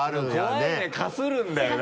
怖いねかするんだよね。